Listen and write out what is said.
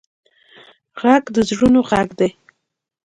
غږ د زړونو غږ دی